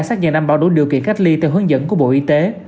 xác nhận đảm bảo đủ điều kiện cách ly theo hướng dẫn của bộ y tế